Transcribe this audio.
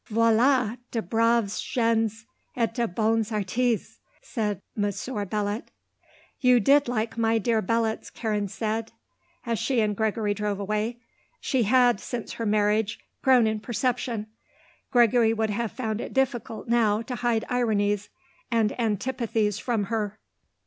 "Voilà de braves gens et de bons artistes," said Monsieur Belot. "You did like my dear Belots," Karen said, as she and Gregory drove away. She had, since her marriage, grown in perception; Gregory would have found it difficult, now, to hide ironies and antipathies from her.